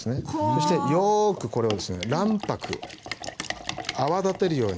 そしてよくこれをですね卵白泡立てるように切っていきます。